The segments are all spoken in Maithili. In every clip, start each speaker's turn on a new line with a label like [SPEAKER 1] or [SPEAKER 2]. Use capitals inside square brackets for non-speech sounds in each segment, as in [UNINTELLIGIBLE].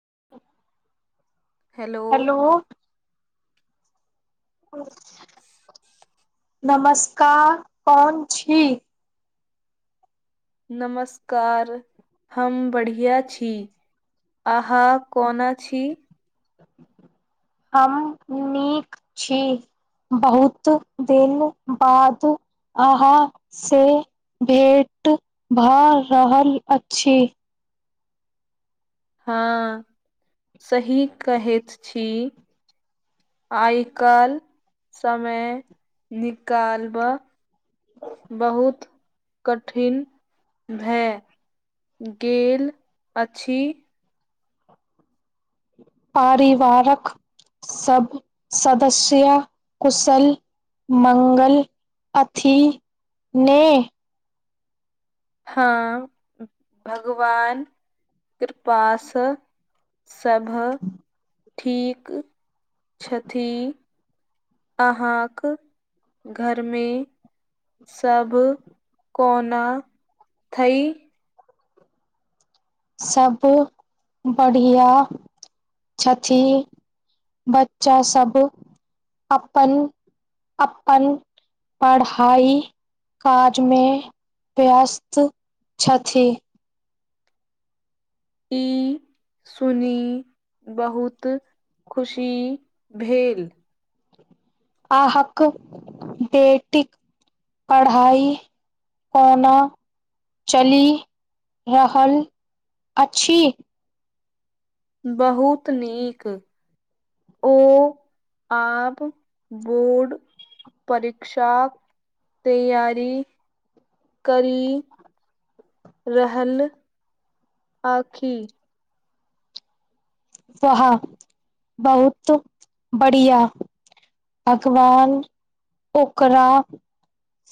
[SPEAKER 1] [INAUDIBLE] हेलो नमस्कार कोन छी
[SPEAKER 2] नमस्कार हम बढ़िया छी आहा कोन छी
[SPEAKER 1] हम नीक छी बहुत दिन बाद अहाँसँ भेट भऽ रहल अछि
[SPEAKER 2] हँ सही कहैत छी आइ काल् समय निकालबा बहुत कठिन भए गेल अछि
[SPEAKER 1] परारिवारक सब सदस्य कुशल मंगल छठी ने
[SPEAKER 2] हँ भगवान कृपाँ सब ठीक छथि अहाँक घरमे सभ कोना थइ
[SPEAKER 1] सब बढ़ियाँ छथि बच्चा सब अपन अपन पढ़ाई काजमे व्यस्त छथि
[SPEAKER 2] ह सुनी बहुत खुशी भेल
[SPEAKER 1] अहाँक बेटीक पढ़ाइ कोना चलि रहल अछि
[SPEAKER 2] बहुत नीक ओ आब बोर्ड परिक्षा तैयारी करि रहल अछि
[SPEAKER 1] वहा बहुत बढ़ियाँ भगवान ओकरा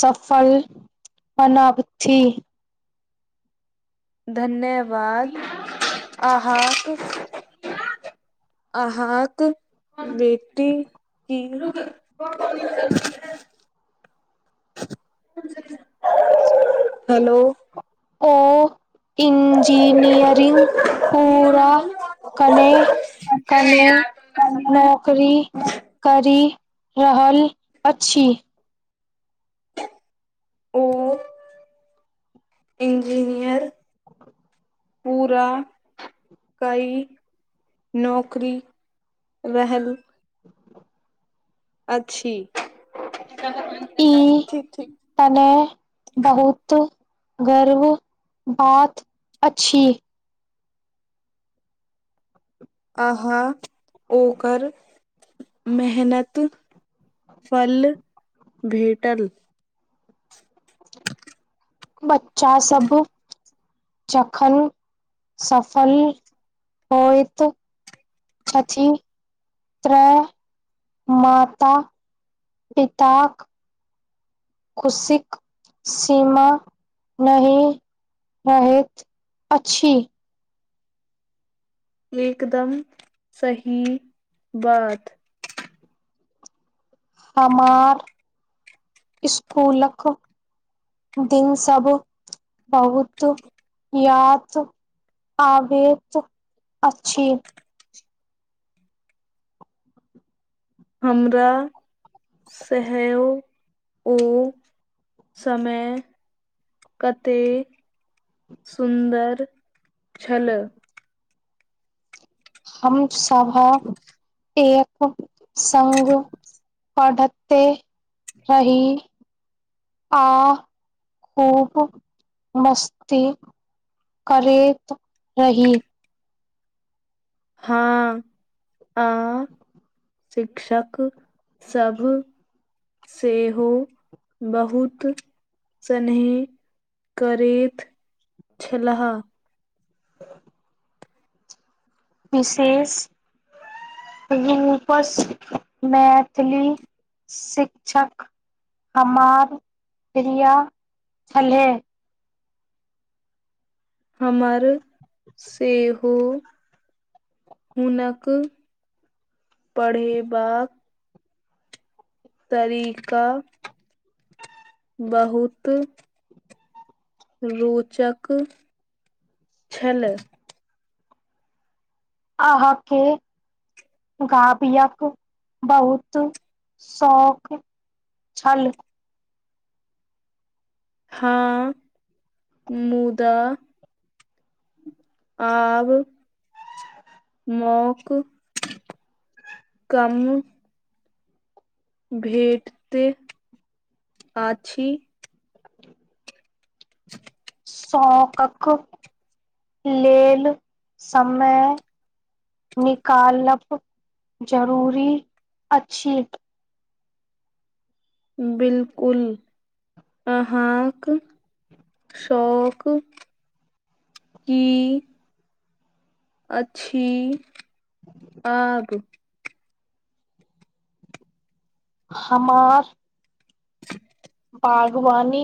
[SPEAKER 1] सफल बनबथि
[SPEAKER 2] धन्यवाद अहाँक अहाँक बेटी कि [UNINTELLIGIBLE] हेलो
[SPEAKER 1] [UNINTELLIGIBLE] इंजीनियरिंग पूरा कने कने नौकरी करी रहल अछि
[SPEAKER 2] ओ इंजीनियर पूरा कई नौकरी रहल अछि
[SPEAKER 1] ई
[SPEAKER 2] ठीक ठीक
[SPEAKER 1] कने बहुत गर्व बात अछि
[SPEAKER 2] अहाँ ओकर मेहनत फल भेटल
[SPEAKER 1] बच्चा सब जखन सफल होइत छथि तऽ माता पिताक खुशीक सीमा नहि रहैत अछि
[SPEAKER 2] एकदम सही बात
[SPEAKER 1] हमार स्कुलक दिन सब बहुत याद आबैत अछि
[SPEAKER 2] हमरा सहए ओ समय कतेक सुन्दर छल
[SPEAKER 1] हम सभ एक सङ्ग पढ़ते रहि आ खूब मस्ती करैत रहि
[SPEAKER 2] हाँ आ शिक्षक सभ सेहो बहुत स्नेह करैत छलाह
[SPEAKER 1] [INAUDIBLE] विशेष रूपसँ मैथिली शिक्षक हमार प्रिया छलहे
[SPEAKER 2] हमर सेहो हुनक पढ़ेबाक तरीका बहुत रोचक छल
[SPEAKER 1] अहाँके गाबिक बहुत शौक छल
[SPEAKER 2] हँ मुदा आब मौक कम भेटते अछि [INAUDIBLE]
[SPEAKER 1] शौकक लेल समय निकालब जरूरी अछि
[SPEAKER 2] बिल्कुल अहाँक शौक की अछि आग
[SPEAKER 1] हमार बागवानी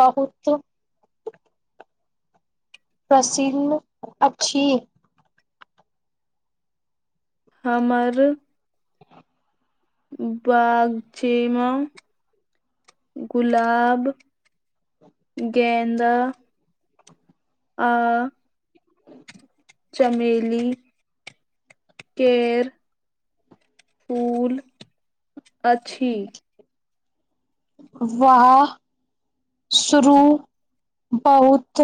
[SPEAKER 1] बहुत पसिन्न अछि
[SPEAKER 2] हमर बागचेमा गुलाब गेन्द आ
[SPEAKER 1] [INAUDIBLE]
[SPEAKER 2] चमेली केर फूल अछि
[SPEAKER 1] वाह शुरू बहुत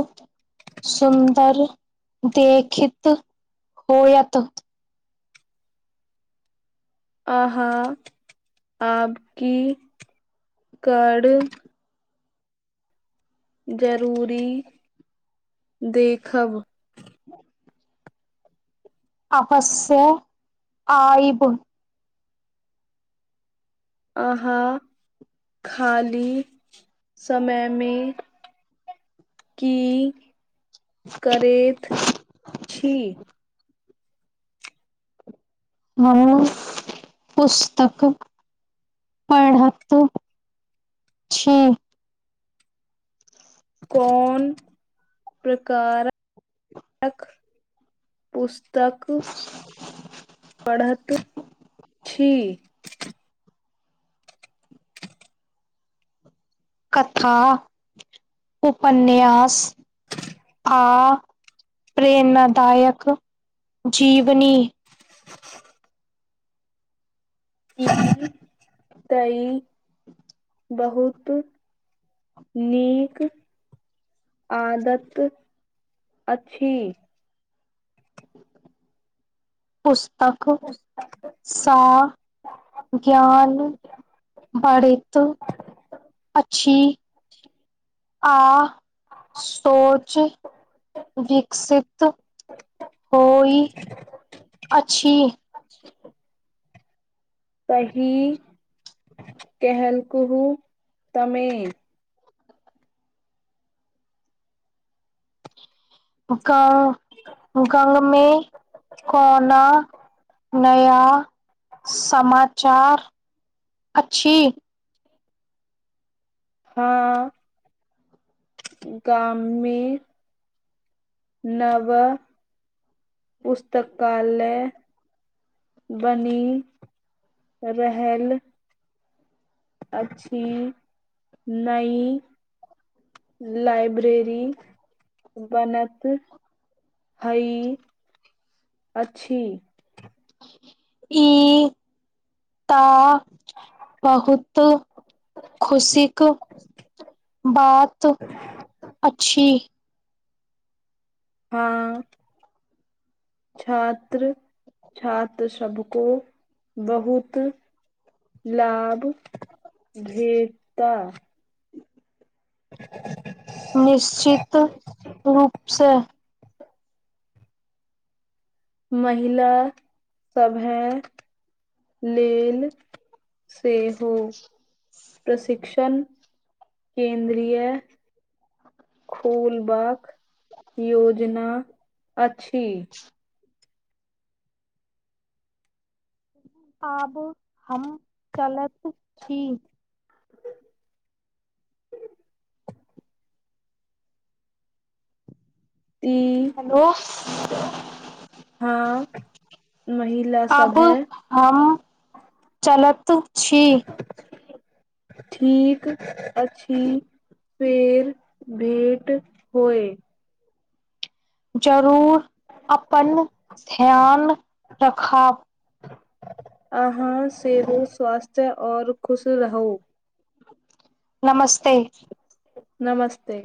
[SPEAKER 1] सुन्दर देखैत होयत
[SPEAKER 2] अहाँ आबकी कर जरूरी देखब
[SPEAKER 1] ह अवश्य आइब
[SPEAKER 2] अहाँ खाली समयमे की करैत छी
[SPEAKER 1] हम पुस्तक पढ़ैत छी
[SPEAKER 2] कोन प्रकारक पुस्त तक पढ़त छी की
[SPEAKER 1] कथा उपन्यास आ प्रेरण दायक जीवनी
[SPEAKER 2] ई त ई बहुत नीक आदत अछि
[SPEAKER 1] [INAUDIBLE] पुस तक स ज्ञान बढ़ैत अछि आ सोच विकसित होई अछि
[SPEAKER 2] कही कहल कुहु तमे
[SPEAKER 1] का गांव में‌ कोनो नया समा चार अछि
[SPEAKER 2] हाँ गाम में नव पुस्तकालय बनी रहल अछि नई लाइब्रेरी बनैत हई अछि
[SPEAKER 1] ई त बहुत खुशिक बात अच्छी
[SPEAKER 2] हँ छात्र छात्र सबको बहुत लाभ भेता [INAUDIBLE]
[SPEAKER 1] निश्चित रूप से
[SPEAKER 2] महिला सभे लेल सेहो प्रशिक्षण केन्द्रीय खोलबाक योज जेना छी
[SPEAKER 1] आब हम चलत छी
[SPEAKER 2] ई
[SPEAKER 1] हेलो
[SPEAKER 2] हाँ महिला
[SPEAKER 1] आब
[SPEAKER 2] सभे
[SPEAKER 1] हम चलत छी
[SPEAKER 2] ठीक अछि फेर भेट होय
[SPEAKER 1] ज जरूर अपन ध्यान रखब
[SPEAKER 2] अहाँ सेहो स्वास्थ्य आओर खुश रहू
[SPEAKER 1] नमस्ते
[SPEAKER 2] नमस्ते